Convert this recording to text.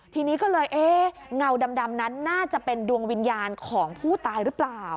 ทีนี้ก็เลยเอ๊ะเงาดำนั้นน่าจะเป็นดวงวิญญาณของผู้ตายหรือเปล่า